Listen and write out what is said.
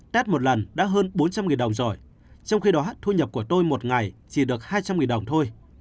tát một lần đã hơn bốn trăm linh đồng rồi trong khi đó thu nhập của tôi một ngày chỉ được hai trăm linh đồng thôi